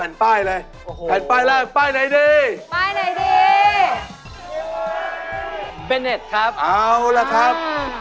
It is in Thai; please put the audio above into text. เอาล่ะครับ